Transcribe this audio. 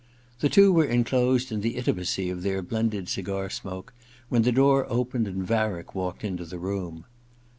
The two were enclosed in the intimacy of their blended cigar smoke when the door opened and Varick walked into the room.